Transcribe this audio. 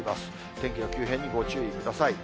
天気の急変にご注意ください。